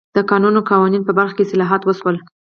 د کانونو قوانینو په برخه کې اصلاحات وشول.